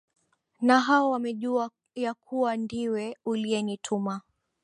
na hao wamejua ya kuwa ndiwe uliyenituma